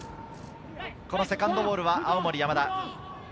セカンドボールは青森山田。